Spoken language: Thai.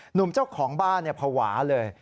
หนุ่มเจ้าของบ้านภาวะเลย